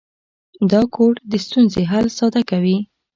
دا کوډ د ستونزې حل ساده کوي.